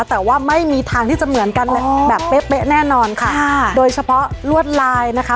แต่ว่าไม่มีทางที่จะเหมือนกันแบบเป๊ะเป๊ะแน่นอนค่ะโดยเฉพาะลวดลายนะคะ